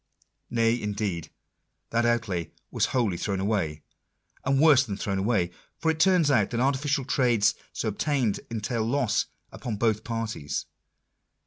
Nay, indeed, that outlay was wholly thrown away, and worse than thrown away ; for it turns out that artificial trades so obtained entail loss upon both parties.